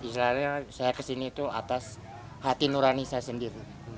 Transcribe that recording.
istilahnya saya kesini itu atas hati nurani saya sendiri